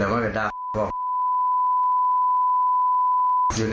เรียบร้อยหมื่นพื้นยังยัง